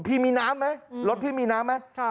พี่มีน้ำไหมรถพี่มีน้ำไหม